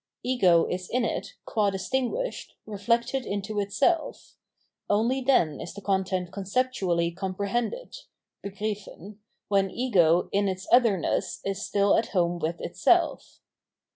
Ego is in it, qua distinguished, reflected into itself; only then is the content conceptualy compre hended (begriffen) when ego in its otherness is still at home with itself.